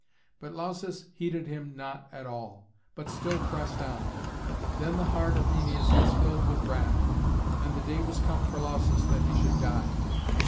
But Lausus heeded him not at all, but still pressed on. Then the heart of Æneas was filled with wrath, and the day was come for Lausus that he should die.